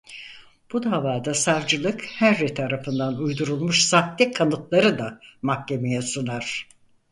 Bu davada savcılık Henry tarafından uydurulmuş sahte kanıtları da mahkemeye sunar.